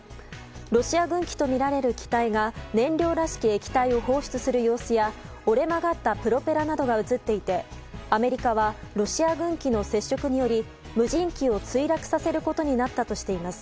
ロシア軍機とみられる機体が燃料らしき液体を放出する様子や折れ曲がったプロペラなどが映っていてアメリカはロシア軍機の接触により無人機を墜落させることになったとしています。